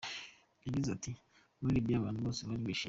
Yagize ati "Muri Libyia abantu bose bari bishimye.